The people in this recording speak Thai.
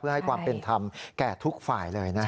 เพื่อให้ความเป็นธรรมแก่ทุกฝ่ายเลยนะครับ